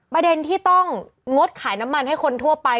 ประเด็นที่ต้องงดขายน้ำมันให้คนทั่วไป